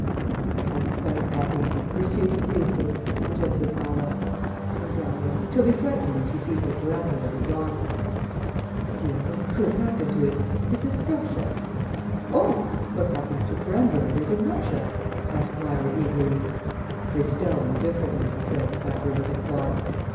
_'" "'I am quite happy. Pursuit is useless,'" suggested Myra. "Poor Dahlia, she'll be frightened when she sees the perambulator gone." "My dear, what could happen to it? Is this Russia?" "Oh, what happens to perambulators in Russia?" asked Myra eagerly. "They spell them differently," I said, after a little thought.